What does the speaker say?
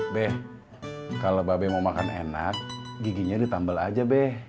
b kalo bapak b mau makan enak giginya ditambal aja b